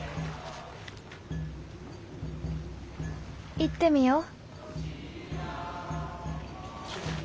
行ってみよう。